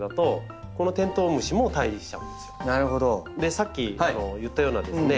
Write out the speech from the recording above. さっき言ったようなですね